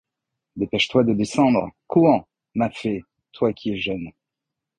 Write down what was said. Dépêche-toi de descendre, cours, ma fée, toi qui es jeune.